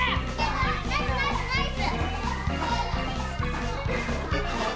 ナイスナイスナイス！